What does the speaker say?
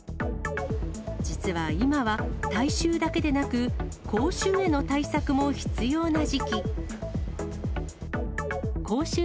実は今は体臭だけでなく、口臭への対策も必要な時期。